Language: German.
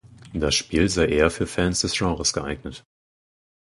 Das Spiel sei eher für Fans des Genres geeignet.